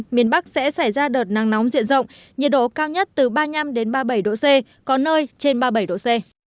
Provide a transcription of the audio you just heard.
miền bắc sẽ xảy ra đợt nắng nóng diện rộng nhiệt độ cao nhất từ ba mươi năm ba mươi bảy độ c có nơi trên ba mươi bảy độ c